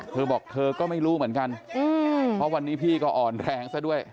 เธอบอกเธอก็ไม่รู้เหมือนกันเพราะวันนี้พี่ก็อ่อนแรงซะด้วย